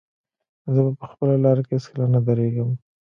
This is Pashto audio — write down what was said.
زه به په خپله لاره کې هېڅکله نه درېږم.